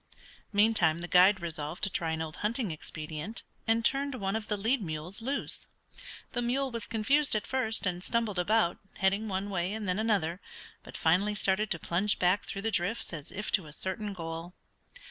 Meantime the guide resolved to try an old hunting expedient, and turned one of the lead mules loose. The mule was confused at first, and stumbled about, heading one way and then another, but finally started to plunge back through the drifts as if to a certain goal.